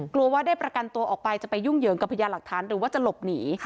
กลัวว่าได้ประกันตัวออกไปจะไปยุ่งเหยิงกับพญาหลักฐานหรือว่าจะหลบหนี